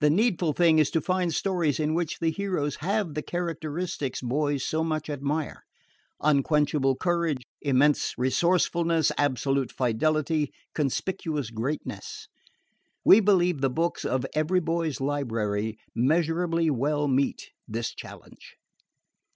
The needful thing is to find stories in which the heroes have the characteristics boys so much admire unquenchable courage, immense resourcefulness, absolute fidelity, conspicuous greatness. We believe the books of EVERY BOY'S LIBRARY measurably well meet this challenge.